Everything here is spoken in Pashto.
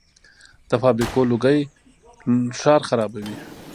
د فابریکو لوګي ښار خرابوي.